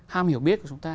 ham hiểu biết của chúng ta